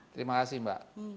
terima kasih mbak